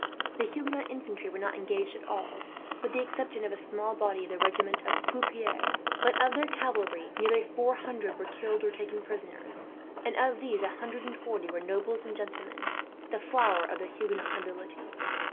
The Huguenot infantry were not engaged at all, with the exception of a small body of the regiment of Plupiart. But of their cavalry nearly four hundred were killed or taken prisoners, and of these a hundred and forty were nobles and gentlemen, the flower of the Huguenot nobility.